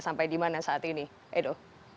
sampai di mana saat ini edo